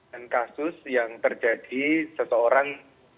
dan kasus yang terjadi seseorang